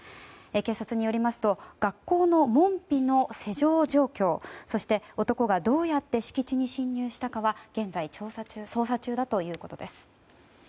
警察によりますと学校の門扉の施錠状況、そして男がどうやって敷地に侵入したかは現在、捜査中だということです。